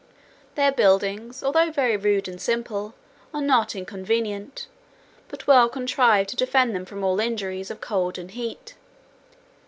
Their buildings, although very rude and simple, are not inconvenient, but well contrived to defend them from all injuries of cold and heat.